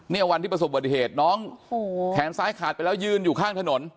เนี่ยวันที่ประสบบัติเหตุน้องแขนซ้ายขาดไปแล้วยืนอยู่ข้างถนน